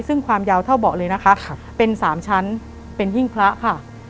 ซึ่งความยาวเท่าเบาะเลยนะคะเป็น๓ชั้นเป็นหิ้งพระค่ะ